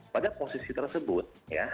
pada posisi tersebut